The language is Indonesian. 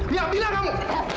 nih abinah kamu